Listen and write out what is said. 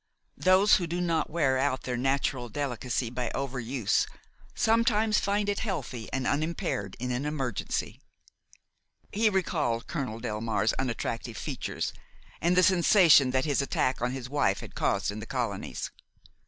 Those who do not wear out their natural delicacy by over use sometimes find it healthy and unimpaired in an emergency. He recalled Colonel Delmare's unattractive features and the sensation that his attack on his wife had caused in the colonies.